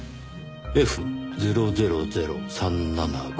Ｆ０００３７５。